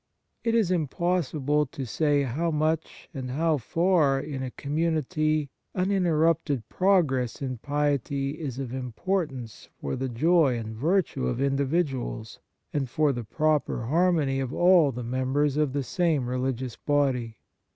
It is impossible to say how much and how far, in a community, uninterrupted progress in piety is of importance for the joy and virtue of individuals, and for the proper har mony of all the members of the same religious body.